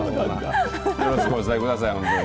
よろしくお伝えください、ほんまに。